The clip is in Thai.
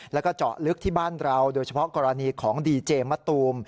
แล้วก็เจาะลึกที่บ้านเราโดยเฉพาะกรณีของดีเจมะตูม